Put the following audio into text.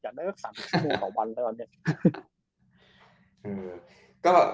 อยากได้แค่๓๐ชั่วโมงต่อวันแล้วเนี่ย